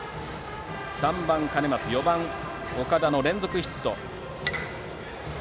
３番、兼松４番、岡田の連続ヒット。